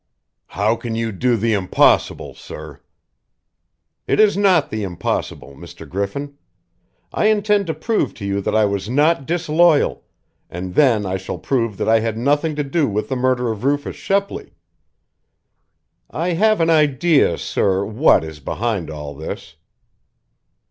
"How can you do the impossible, sir?" "It is not the impossible, Mr. Griffin! I intend to prove to you that I was not disloyal, and then I shall prove that I had nothing to do with the murder of Rufus Shepley. I have an idea, sir, what is behind all this."